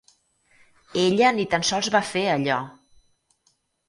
Ella ni tan sols va fer allò!